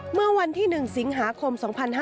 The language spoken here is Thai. เมื่อวันที่๑สิงหาคม๒๕๕๙